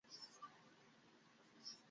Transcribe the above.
দেহ নমনীয় ইলাস্টিন নির্মিত কিউটিকল দিয়ে আবৃত।